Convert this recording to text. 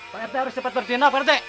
pak rt harus cepet berdina pak rt